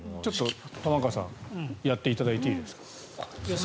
玉川さんやっていただいていいですか？